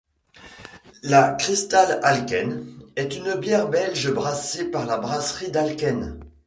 La Cristal Alken est une bière belge brassée par la brasserie d'Alken.